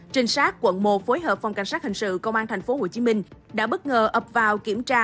trình sát quận một phối hợp phòng cảnh sát hình sự công an tp hcm đã bất ngờ ập vào kiểm tra